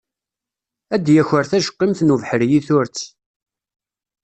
Ad yaker tajeqimt n ubeḥri i turet.